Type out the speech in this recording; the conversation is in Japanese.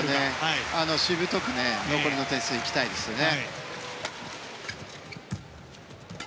しぶとく残りの点数、いきたいですね。